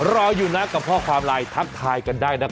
รออยู่แล้วกับพ่อความลายทักทายกันได้นะคะ